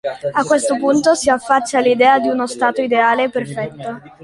A questo punto, si affaccia l'idea di uno Stato ideale e perfetto.